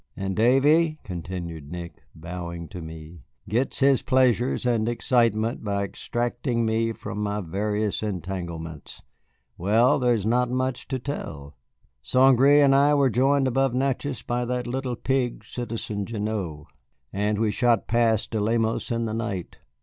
"And Davy," continued Nick, bowing to me, "gets his pleasures and excitement by extracting me from my various entanglements. Well, there is not much to tell. St. Gré and I were joined above Natchez by that little pig, Citizen Gignoux, and we shot past De Lemos in the night.